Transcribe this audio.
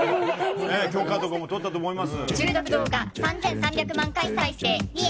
許可とかも取ったと思います。